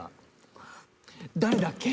誰だっけ？